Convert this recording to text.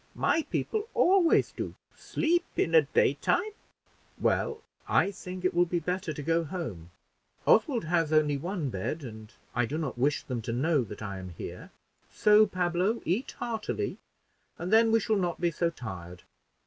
My people always do; sleep in a daytime." "Well, I think it will be better to go home: Oswald has only one bed, and I do not wish them to know that I am here; so, Pablo, eat heartily, and then we shall not be so tired.